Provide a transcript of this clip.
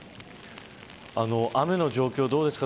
雨の状況どうですか。